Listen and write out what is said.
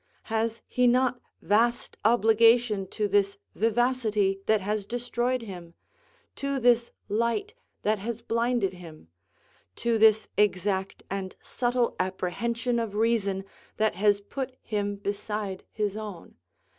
Has he not vast obligation to this vivacity that has destroyed him? to this light that has blinded him? to this exact and subtle apprehension of reason that has put him beside his own?